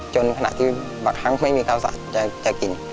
ขณะที่บางครั้งไม่มีข้าวสารจะกิน